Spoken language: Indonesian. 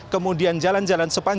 kemudian jalan jalan sepuluh